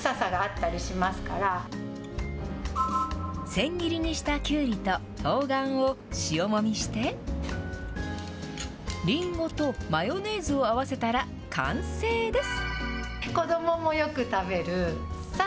千切りにしたきゅうりととうがんを塩もみして、りんごとマヨネーズを合わせたら、完成です。